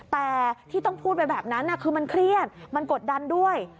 แต่ที่ต้องพูดไปแบบนั้นคือมันเครียดมันกดดันด้วย